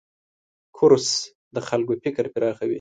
کورس د خلکو فکر پراخوي.